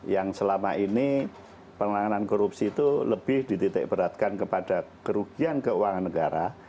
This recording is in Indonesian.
yang selama ini penanganan korupsi itu lebih dititik beratkan kepada kerugian keuangan negara